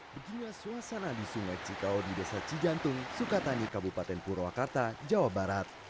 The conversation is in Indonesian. beginilah suasana di sungai cikau di desa cijantung sukatani kabupaten purwakarta jawa barat